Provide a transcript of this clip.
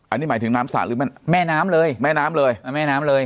อันนี้หมายถึงน้ำศาลแม่น้ำเลยแม่น้ำเลย